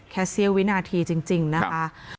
ใช่ค่ะแค่เสียวินาทีจริงนะคะ